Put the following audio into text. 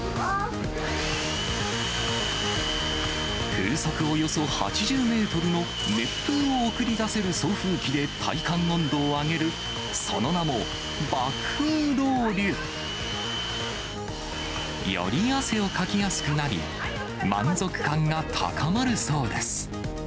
風速およそ８０メートルの熱風を送り出せる送風機で体感温度を上げる、その名も爆風ロウリュ。より汗をかきやすくなり、満足感が高まるそうです。